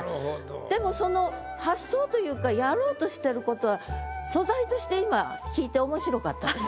でもその発想というかやろうとしてる事は素材として今聞いて面白かったです。